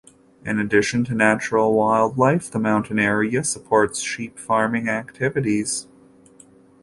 In addition to natural wildlife, the mountain area supports sheep farming activities.